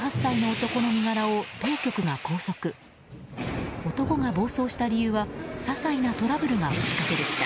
男が暴走した理由は些細なトラブルがきっかけでした。